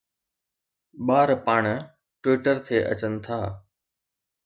ٻار پاڻ Twitter تي اچن ٿا